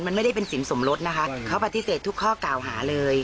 มันไม่ได้เป็นสินสมรสนะคะเขาปฏิเสธทุกข้อกล่าวหาเลย